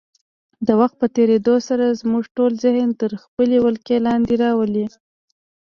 د وخت په تېرېدو سره زموږ ټول ذهن تر خپلې ولکې لاندې راولي.